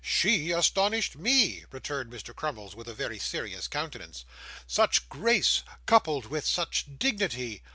'SHE astonished ME!' returned Mr. Crummles, with a very serious countenance. 'Such grace, coupled with such dignity!